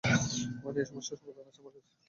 মানে, এই সমস্যার সমাধান আছে আমার কাছে।